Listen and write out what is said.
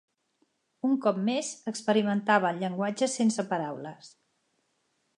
Un cop més experimentava el llenguatge sense paraules...